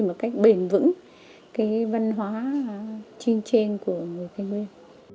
một cách bền vững cái văn hóa truyền thống của người tây nguyên